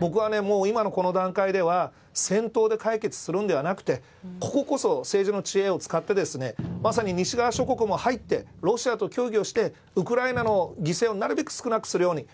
僕は今の段階では戦闘で解決するのではなくてこここそ、政治の知恵を使ってまさに西側諸国も入ってロシアと協議をしてウクライナの犠牲をなるべく少なくするように。